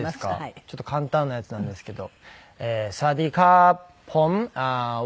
ちょっと簡単なやつなんですけど。